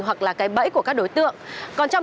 hoặc là cái bẫy của các đối tượng